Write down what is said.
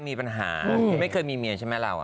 มีปัญหาไม่เคยมีเมียใช่ไหมเรา